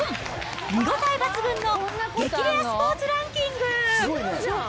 見応え抜群の激レアスポーツランキング。